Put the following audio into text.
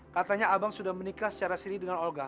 katanya abang sudah menikah secara siri dengan olga